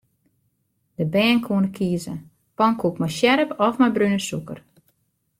De bern koene kieze: pankoek mei sjerp of mei brune sûker.